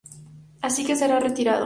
Así que será retirado"".